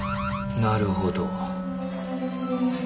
なるほど。